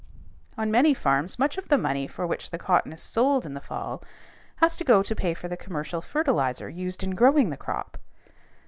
On many farms much of the money for which the cotton is sold in the fall has to go to pay for the commercial fertilizer used in growing the crop.